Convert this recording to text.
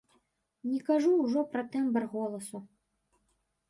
Не кажу ўжо пра тэмбр голасу.